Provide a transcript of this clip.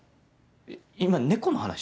今猫の話？